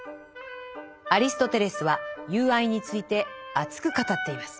アリストテレスは「友愛」について熱く語っています。